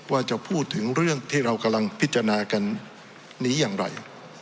ว่าจะพูดถึงเรื่องที่เรากำลังพิจารณากันนี้อย่างไร